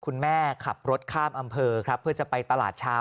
คุณแม่ขับรถข้ามอำเภอครับเพื่อจะไปตลาดเช้า